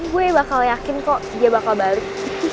gue bakal yakin kok dia bakal balik